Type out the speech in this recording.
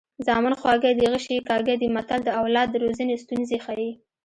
زامن خواږه دي غشي یې کاږه دي متل د اولاد د روزنې ستونزې ښيي